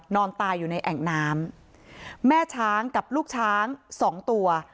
นอนตายอยู่ในแอ่งน้ำแม่ช้างกับลูกช้างสองตัว